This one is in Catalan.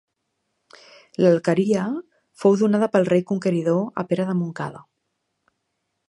L'alqueria fou donada pel rei conqueridor a Pere de Montcada.